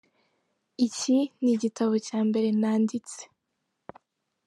Iki ni igitabo cya mbere nanditse.